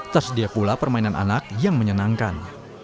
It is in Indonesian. tersedia pula permainan anak yang menyenangkan